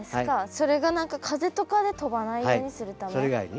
それが何か風とかで飛ばないようにするため。